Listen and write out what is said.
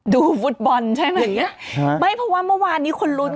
โดยฟุตบอลใช่ไหมไม่เพราะว่าเมื่อวานไทยคนรุน